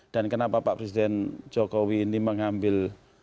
kenapa pak presiden jokowi ini mengambil